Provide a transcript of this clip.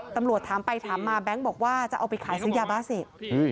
ตำรวจถามไปถามมาแบงค์บอกว่าจะเอาไปขายซื้อยาบ้าเสพ